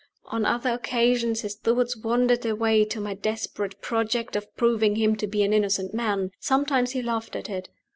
On other occasions his thoughts wandered away to my desperate project of proving him to be an innocent man. Sometimes he laughed at it.